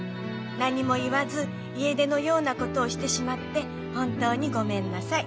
何も言わず家出のようなことをしてしまって本当にごめんなさい。